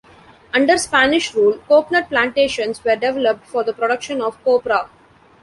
Under Spanish rule, coconut plantations were developed for the production of copra.